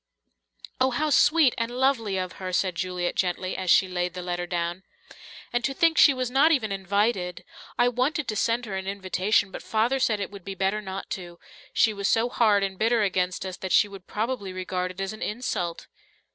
"Oh, how sweet and lovely of her!" said Juliet gently, as she laid the letter down. "And to think she was not even invited! I wanted to send her an invitation, but Father said it would be better not to she was so hard and bitter against us that she would probably regard it as an insult."